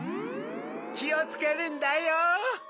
きをつけるんだよ。